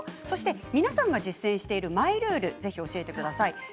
そして、皆さんが実践しているマイルールをぜひ教えてください。